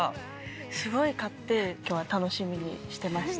すごい買って今日は楽しみにしてました。